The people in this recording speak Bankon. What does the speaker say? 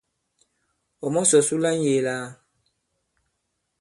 Ɔ̀ mɔ̀sɔ̀ su la ŋ̀yēē lā ?